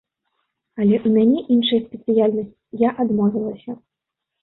Але ў мяне іншая спецыяльнасць, я адмовілася.